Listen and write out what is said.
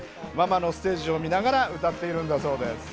ママのステージを見ながら歌っているんだそうです。